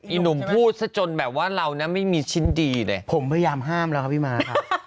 หนุ่มพูดซะจนแบบว่าเรานะไม่มีชิ้นดีเลยผมพยายามห้ามแล้วครับพี่ม้าครับ